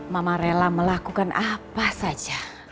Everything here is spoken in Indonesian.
mama rela melakukan apa saja